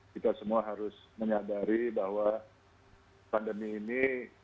kita semua harus menyadari bahwa pandemi ini